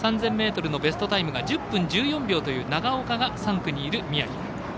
３０００ｍのベストタイムが１０分１４秒という長岡が３区にいる宮城。